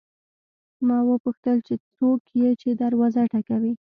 ما وپوښتل چې څوک یې چې دروازه ټکوي.